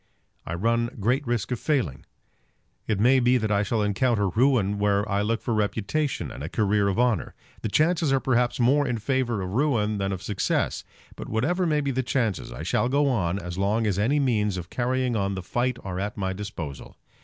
I run great risk of failing. It may be that I shall encounter ruin where I look for reputation and a career of honour. The chances are perhaps more in favour of ruin than of success. But, whatever may be the chances, I shall go on as long as any means of carrying on the fight are at my disposal.